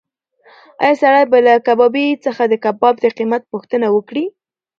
ایا سړی به له کبابي څخه د کباب د قیمت پوښتنه وکړي؟